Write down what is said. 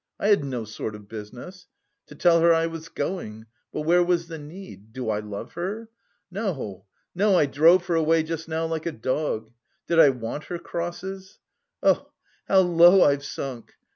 I had no sort of business! To tell her I was going; but where was the need? Do I love her? No, no, I drove her away just now like a dog. Did I want her crosses? Oh, how low I've sunk!